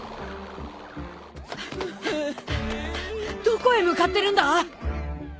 どこへ向かってるんだ？